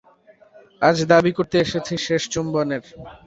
আজ দাবি করতে এসেছি শেষ চুম্বনের।